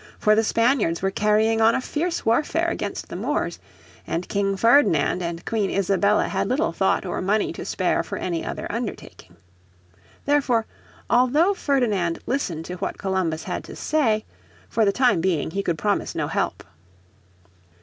For the Spaniards were carrying on a fierce warfare against the Moors, and King Ferdinand and Queen Isabella had little thought or money to spare for any other undertaking. Therefore, although Ferdinand listened to what Columbus had to say, for the time being he could promise no help.